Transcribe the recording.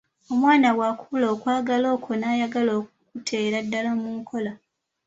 Omwana bw’akula okwagala okwo n’ayagala okukuteera ddala mu nkola.